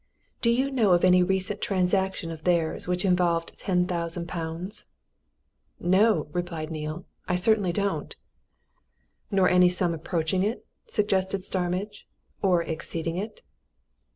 Do you know of any recent transaction of theirs which involved ten thousand pounds?" "No!" replied Neale. "I certainly don't." "Nor any sum approaching it?" suggested Starmidge. "Or exceeding it?"